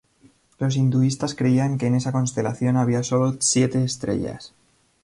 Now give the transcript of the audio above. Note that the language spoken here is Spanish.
Los hinduistas creían que en esa constelación había solo siete estrellas.